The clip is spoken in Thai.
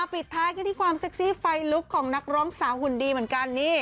ปิดท้ายกันที่ความเซ็กซี่ไฟลุกของนักร้องสาวหุ่นดีเหมือนกันนี่